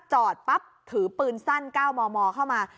จอดปั๊บถือปืนสั้น๙มมเข้ามา